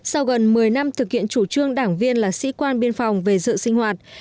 sau gần một mươi năm thực hiện chủ trương đảng viên là sĩ quan biên phòng về dự sinh hoạt